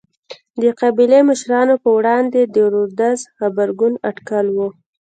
د قبایلي مشرانو پر وړاندې د رودز غبرګون اټکل و.